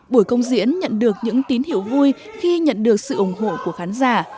buổi công diễn nhận được những tín hiệu vui khi nhận được sự ủng hộ của khán giả